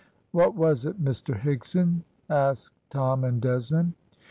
"What was it, Mr Higson?" asked Tom and Desmond.